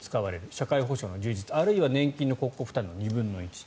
社会保障の充実、あるいは年金の国庫負担の２分の１。